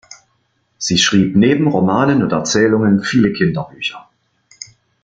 Sie schrieb neben Romanen und Erzählungen viele Kinderbücher.